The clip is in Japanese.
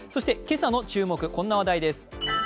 今朝の注目、こんな話題です。